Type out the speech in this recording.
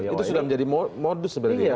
itu sudah menjadi modus sebenarnya